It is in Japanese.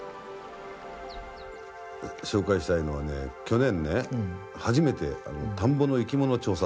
紹介したいのはね去年初めて田んぼの生き物調査ってやったね。